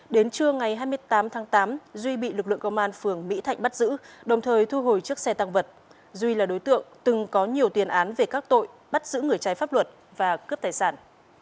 đến trưa ngày hai mươi tám tháng tám duy bị lực lượng công an phường mỹ thạnh bắt giữ đồng thời thu hồi chiếc xe tăng vật duy là đối tượng từng có nhiều tuyên án về các tội bắt giữ người trái pháp luật và cướp tài sản